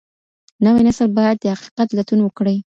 نوی نسل باید د حقیقت لټون وکړي.